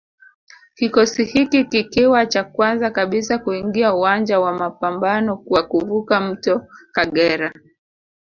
Kikosi hiki kikiwa cha kwanza kabisa kuingia uwanja wa mapambano kwa kuvuka mto Kagera